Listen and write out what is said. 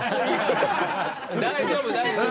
大丈夫大丈夫。